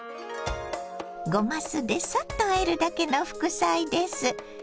ごま酢でサッとあえるだけの副菜です。